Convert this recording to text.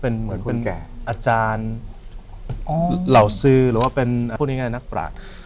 เป็นอาจารย์เหล่าซื้อหรือว่าเป็นพูดง่ายนักปรากฏ